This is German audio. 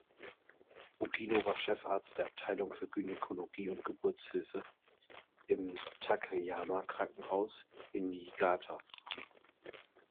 Ogino war Chefarzt der Abteilung für Gynäkologie und Geburtshilfe im Takeyama-Krankenhaus in Niigata.